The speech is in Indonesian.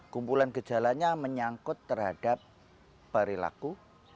kumpulan gejalanya menyangkut terhadap perilaku